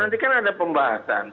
nanti kan ada pembahasan